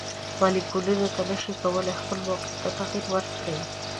مالیکولونه نشي کولی خپل موقیعت ته تغیر ورکړي.